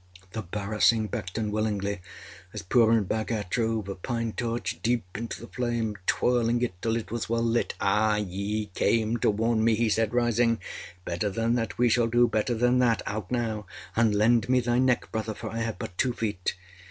â The barasingh backed unwillingly as Purun Bhagat drove a pine torch deep into the flame, twirling it till it was well lit. âAh! ye came to warn me,â he said, rising. âBetter than that we shall do; better than that. Out, now, and lend me thy neck, Brother, for I have but two feet.